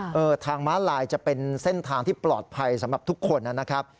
เออทางม้าลายจะเป็นเส้นทางที่ปลอดภัยสำหรับทุกคนนะครับ